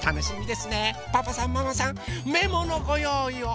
パパさんママさんメモのごよういを！